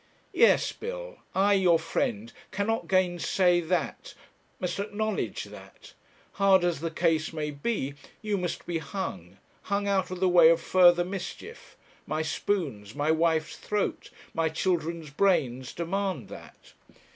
Yes, Bill; I, your friend, cannot gainsay that, must acknowledge that. Hard as the case may be, you must be hung; hung out of the way of further mischief; my spoons, my wife's throat, my children's brains, demand that.